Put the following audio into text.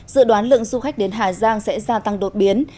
dự đoán lượng du khách đến hà giang sẽ gia tăng đột biến